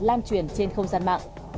an truyền trên không gian mạng